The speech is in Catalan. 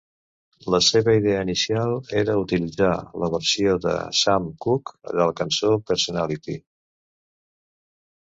La seva idea inicial era utilitzar la versió de Sam Cooke de la cançó "Personality".